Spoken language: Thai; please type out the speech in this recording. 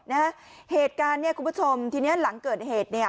นะฮะเหตุการณ์เนี่ยคุณผู้ชมทีเนี้ยหลังเกิดเหตุเนี่ย